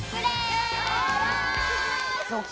そうか。